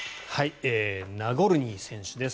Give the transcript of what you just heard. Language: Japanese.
ナゴルニー選手です。